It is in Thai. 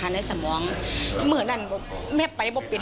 ช่วยเร่งจับตัวคนร้ายให้ได้โดยเร่ง